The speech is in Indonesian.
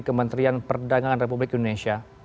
kementerian perdagangan republik indonesia